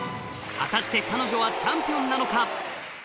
果たして彼女はチャンピオンなのか？